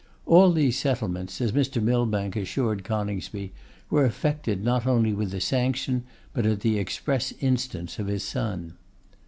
All these settlements, as Mr. Millbank assured Coningsby, were effected not only with the sanction, but at the express instance, of his son.